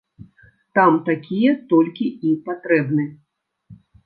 Там такія толькі і патрэбны.